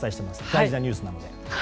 大事なニュースなので。